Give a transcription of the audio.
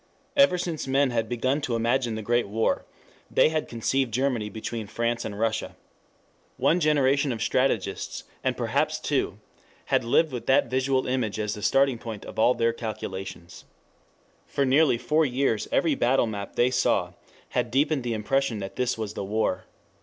Ever since men had begun to imagine the Great War they had conceived Germany held between France and Russia. One generation of strategists, and perhaps two, had lived with that visual image as the starting point of all their calculations. For nearly four years every battle map they saw had deepened the impression that this was the war.